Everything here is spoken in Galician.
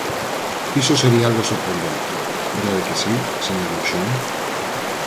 Iso sería algo sorprendente, ¿verdade que si, señor Moxón?